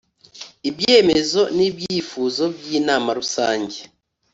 ibyemezo n ibyifuzo by Inama Rusange